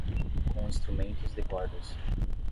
Com instrumentos de cordas.